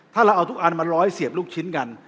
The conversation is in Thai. ถ้าเราเอาทุกอันมาร้อยเสียบลูกชิ้นกัน